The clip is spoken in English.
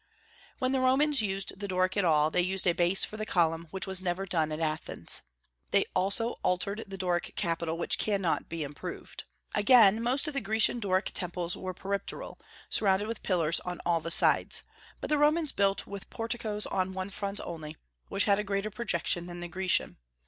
When the Romans used the Doric at all, they used a base for the column, which was never done at Athens. They also altered the Doric capital, which cannot be improved. Again, most of the Grecian Doric temples were peripteral, surrounded with pillars on all the sides. But the Romans built with porticos on one front only, which had a greater projection than the Grecian.